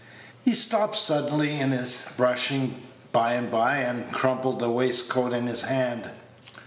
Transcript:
He stopped suddenly in his brushing by and by, and crumpled the waistcoat in his hand.